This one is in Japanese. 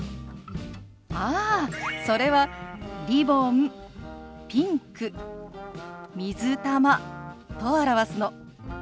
ああそれは「リボン」「ピンク」「水玉」と表すの。